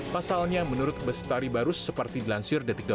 pasalnya menurut bestari barus seperti dilansir detik com